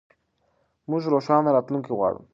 موږ روښانه راتلونکی غواړو.